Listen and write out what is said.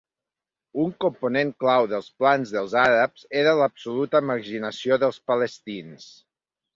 Un component clau dels plans dels Àrabs era l'absoluta marginació dels palestins...